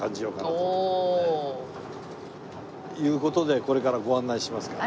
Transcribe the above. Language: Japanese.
いう事でこれからご案内しますから。